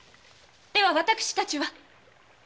では私たちは！